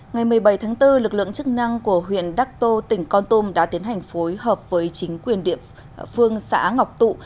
ngày một mươi bảy tháng bốn lực lượng chức năng của huyện đắc tô tỉnh con tôm đã tiến hành phối hợp với chính quyền địa phương xã ngọc tụ